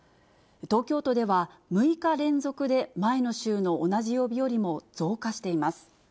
東京都では６日連続で、前の週の同じ曜日よりも増加しています。